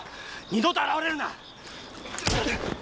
二度と現れるな！